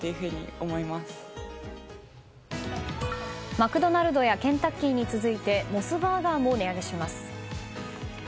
マクドナルドやケンタッキーに続いてモスバーガーも値上げします。